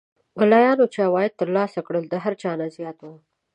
ملایانو چې عواید تر لاسه کول د هر چا نه زیات وو.